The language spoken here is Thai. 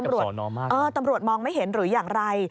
ตำรวจตำรวจมองไม่เห็นหรืออย่างไร